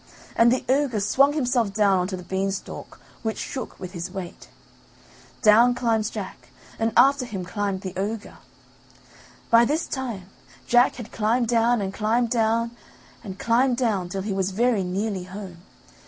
and the ogre swung himself down on to the beanstalk which shook with his weight. Down climbs Jack, and after him climbed the ogre. By this time Jack had climbed down and climbed down and climbed down till he was very nearly home.